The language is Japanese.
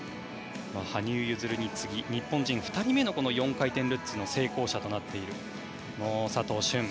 羽生結弦に次ぎ日本人２人目の４回転ルッツの成功者となっている佐藤駿。